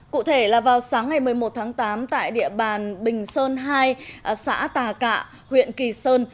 cụ thể là vào sáng ngày một mươi một tháng tám tại địa bàn bình sơn hai xã tà cạ huyện kỳ sơn